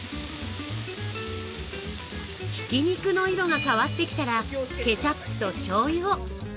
ひき肉の色が変わってきたらケチャップとしょうゆを。